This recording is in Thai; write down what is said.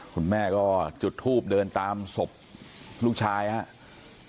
คุณแม่ก็จุดทูบเดินตามศพลูกชายครับ